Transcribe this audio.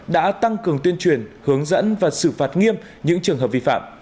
đã tăng cường tuyên truyền hướng dẫn và xử phạt nghiêm những trường hợp vi phạm